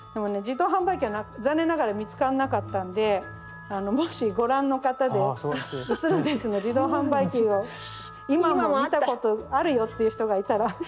自動販売機は残念ながら見つかんなかったんでもしご覧の方で「写ルンです」の自動販売機を今も見たことあるよっていう人がいたら。